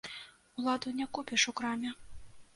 Уладу не купіш у краме.